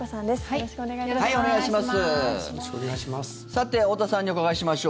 よろしくお願いします。